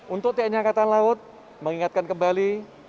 untuk tni angkatan laut mengingatkan kembali